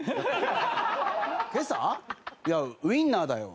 いやウィンナーだよ。